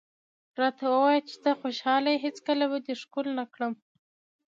راته ووایه چې ته خوشحاله یې، هېڅکله به دې ښکل نه کړم.